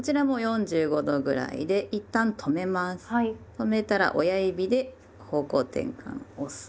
止めたら親指で方向転換押す。